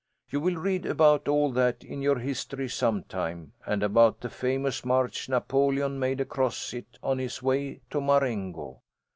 You will read about all that in your history sometime, and about the famous march Napoleon made across it on his way to Marengo.